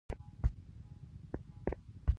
کندهار ښار څو دروازې لري؟